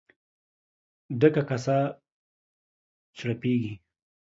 ډکه کاسه چړپېږي.